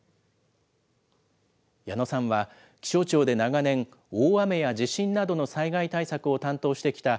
矢野さんは、気象庁で長年、大雨や地震などの災害対策を担当してきた、